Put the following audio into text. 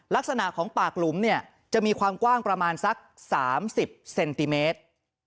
ลักษณะของปากหลุมเนี่ยจะมีความกว้างประมาณสัก๓๐เซนติเมตร